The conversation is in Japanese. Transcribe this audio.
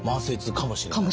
かもしれない。